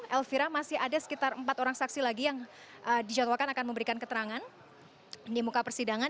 elvira masih ada sekitar empat orang saksi lagi yang dijadwalkan akan memberikan keterangan di muka persidangan